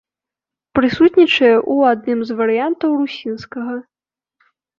Прысутнічае ў адным з варыянтаў русінскага.